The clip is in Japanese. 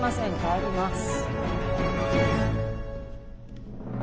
帰ります。